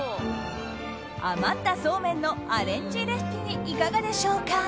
余ったそうめんのアレンジレシピにいかがでしょうか。